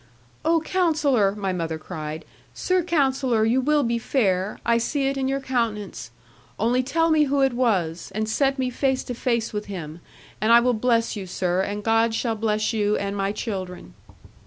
'Oh, Counsellor!' my mother cried; 'Sir Counsellor, you will be fair: I see it in your countenance. Only tell me who it was, and set me face to face with him, and I will bless you, sir, and God shall bless you, and my children.'